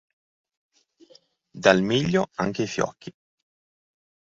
Dal miglio anche i fiocchi.